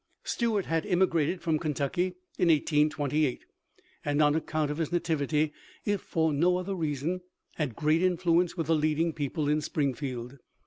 Stuart had emigrated from Kentucky in 1828, and on account of his nativity, if for no other reason, had great influence with the leading people in Springfield.